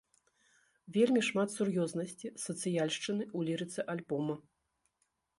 Вельмі шмат сур'ёзнасці, сацыяльшчыны ў лірыцы альбома.